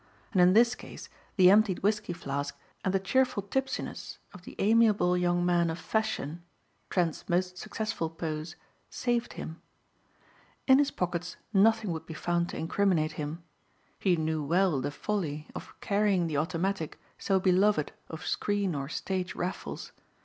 And in this case the emptied whiskey flask and the cheerful tipsiness of the amiable young man of fashion Trent's most successful pose saved him. In his pockets nothing would be found to incriminate him. He knew well the folly of carrying the automatic so beloved of screen or stage Raffles.